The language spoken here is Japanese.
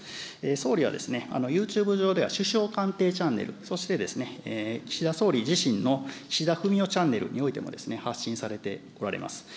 総理はですね、ユーチューブ上では首相官邸チャンネル、そしてですね、岸田総理自身の岸田文雄チャンネルにおいても発信されておられます。